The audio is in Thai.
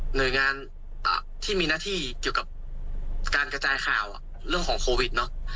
หน่วยงานที่มีหน้าที่เกี่ยวกับการกระจายข่าวเรื่องของโควิดเนอะ